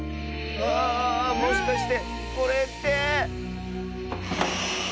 あもしかしてこれって。